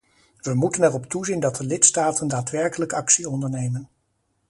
We moeten erop toezien dat de lidstaten daadwerkelijk actie ondernemen.